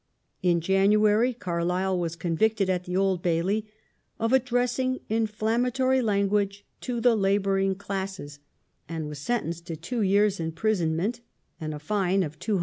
In January Carlile was convicted at the Old Bailey of "addressing inflammatory language to the labouring classes," and was sentenced to two yeai*s' imprisonment and a fine ^ As Lord Brougham and Vaux.